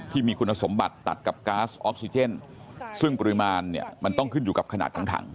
ที่มีคุณสมบัติตัดกับก๊าซออกซิเจนซึ่งปริมาณเนี่ยมันต้องขึ้นอยู่กับขนาดของถัง